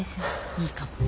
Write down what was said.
いいかも。